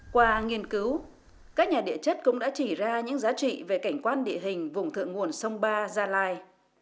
qua nghiên cứu các nhà địa chất cũng đã chỉ ra những giá trị về cảnh quan địa hình vùng thượng nguồn sông ba gia lai